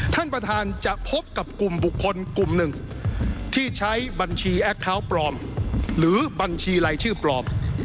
ท่านประธานจะพบกับกลุ่มบุคคลกลุ่มหนึ่งที่ใช้บัญชีแอคเคาน์ปลอมหรือบัญชีรายชื่อปลอม